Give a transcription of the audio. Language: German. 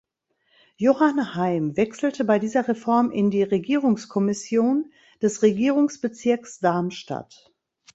Johann Heim wechselte bei dieser Reform in die Regierungskommission des Regierungsbezirks Darmstadt.